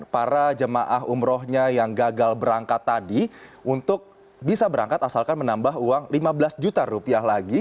para jemaah umrohnya yang gagal berangkat tadi untuk bisa berangkat asalkan menambah uang lima belas juta rupiah lagi